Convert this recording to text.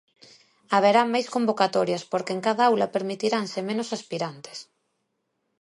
Haberá máis convocatorias porque en cada aula permitiranse menos aspirantes.